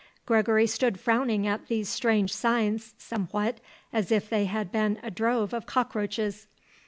Gregory stood frowning at these strange signs somewhat as if they had been a drove of cockroaches.